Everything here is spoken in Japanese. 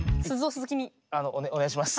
あのお願いします。